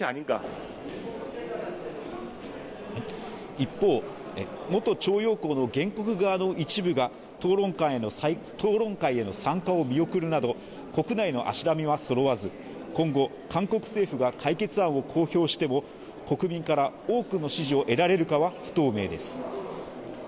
一方元徴用工の原告側の一部が討論会への参加を見送るなど国内の足並みはそろわず今後韓国政府が解決案を公表しても国民から多くの支持を得られるかは不透明です